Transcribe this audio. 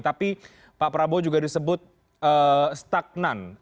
tapi pak prabowo juga disebut stagnan